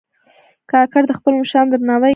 کاکړ د خپلو مشرانو درناوی کوي.